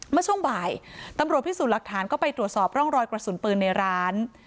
เมื่อช่วงบ่ายตำรวจพิสูจน์หลักฐานก็ไปตรวจสอบร่องรอยกระสุนปืนในร้าน